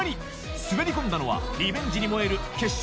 滑り込んだのはリベンジに燃える決勝